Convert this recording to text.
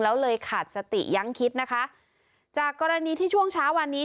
แล้วเลยขาดสติยังคิดนะคะจากกรณีที่ช่วงเช้าวันนี้